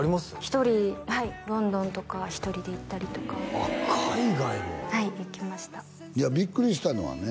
１人はいロンドンとか１人で行ったりとかあっ海外もはい行きましたいやビックリしたのはね